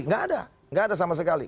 gak ada gak ada sama sekali